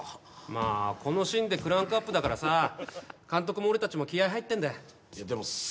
まあこのシーンでクランクアップだからさ監督も俺達も気合入ってんだいや